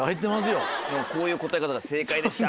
こういう答え方が正解でした！